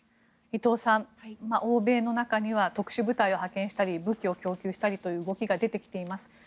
伊藤さん、欧米の中には特殊部隊を派遣したり武器を供給したりという動きが出ています。